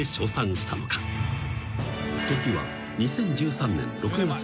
［時は］